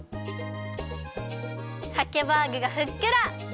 さけバーグがふっくら！